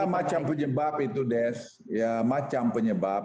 ya macam penyebab itu des ya macam penyebab